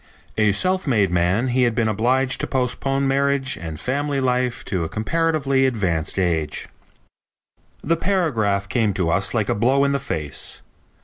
"A self made man, he had been obliged to postpone marriage and family life to a comparatively advanced age." The paragraph came to us like a blow in the face.